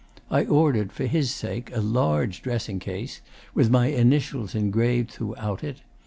I ordered, for his sake, a large dressing case, with my initials engraved throughout it.